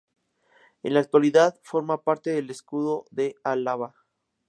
En la actualidad forma parte del escudo de Álava.